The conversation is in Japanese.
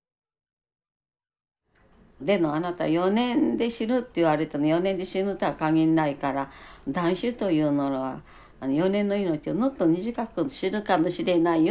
「でもあなた４年で死ぬって言われても４年で死ぬとは限んないから断種というものは４年の命をもっと短くするかもしれないよ」